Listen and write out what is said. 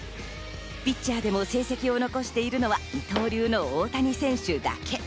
ピッチャーでも成績を残しているのは二刀流の大谷選手だけ。